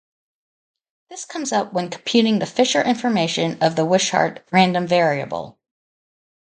This comes up when computing the Fisher information of the Wishart random variable.